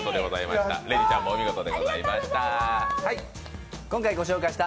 れにちゃんもお見事でございました。